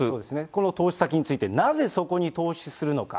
この投資先について、なぜそこに投資するのか。